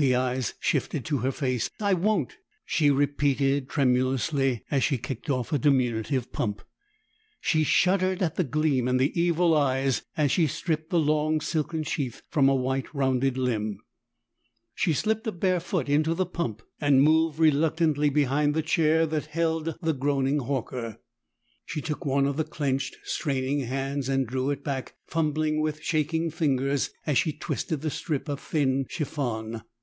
The eyes shifted to her face. "I won't!" she repeated tremulously as she kicked off a diminutive pump. She shuddered at the gleam in the evil eyes as she stripped the long silken sheath from a white, rounded limb. She slipped a bare foot into the pump and moved reluctantly behind the chair that held the groaning Horker. She took one of the clenched, straining hands, and drew it back, fumbling with shaking fingers as she twisted the strip of thin chiffon.